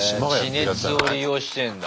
地熱を利用してんだ。